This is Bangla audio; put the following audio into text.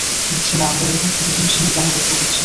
বুঝছি না আমরা এইরকম ছোট জিনিস নিয়ে কেন তর্ক করছি।